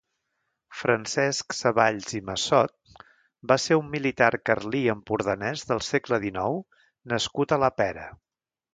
Francesc Savalls i Massot va ser un militar carlí empordanès del segle dinou nascut a la Pera.